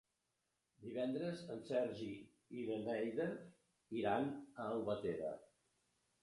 Divendres en Sergi i na Neida iran a Albatera.